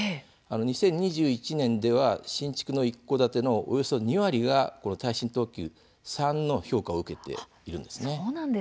２０２１年では新築の一戸建てのおよそ２割が耐震等級３の評価を受けています。